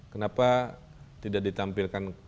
kenapa tidak ditampilkan